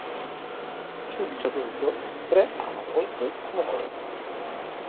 Subito dopo re Harold muore.